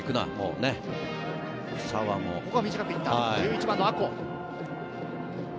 ここ短く行った、１１番の阿児。